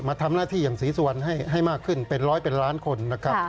มาทำหน้าที่อย่างศีลส่วนให้มากขึ้นเป็นร้อยเป็นล้านคน